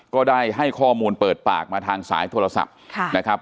ก็ได้ให้ข้อมูลเปิดปากมาทางสายโทรศัพท์นะครับ